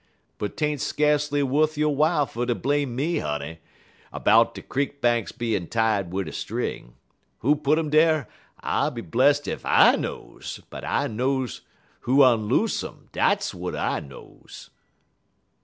But 't ain't skacely wuth yo' w'ile fer ter blame me, honey, 'bout de creek banks bein' tied wid a string. Who put um dar, I be bless ef I knows, but I knows who onloose um, dat w'at I knows!"